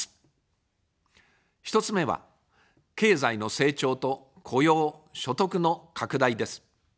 １つ目は、経済の成長と雇用・所得の拡大です。